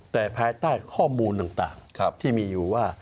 แต่ภายใต้ข้อมูลต่างที่มีอยู่ว่า